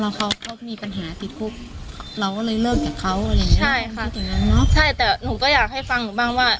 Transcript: เราก็เลยเลิกกับเขาอะไรอย่างนี้ใช่ค่ะใช่แต่หนูก็อยากให้ฟังหนูบ้างว่า